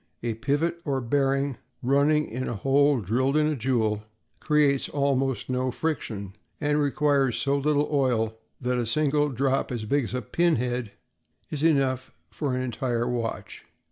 A pivot or bearing, running in a hole drilled in a jewel, creates almost no friction and requires so little oil that a single drop as big as a pinhead is enough for an entire watch.